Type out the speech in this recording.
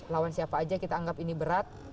lawan siapa aja kita anggap ini berat